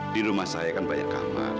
di rumah saya kan banyak kamar